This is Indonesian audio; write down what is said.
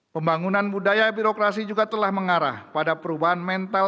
pembangunan budaya birokrasi juga telah mengarah pada perubahan mental